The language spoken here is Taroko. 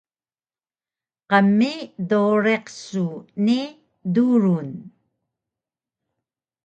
Qmi dowriq su ni durun!